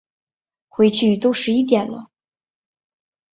回去都十一点了